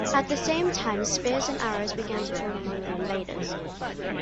At the same time spears and arrows began to fall among the invaders.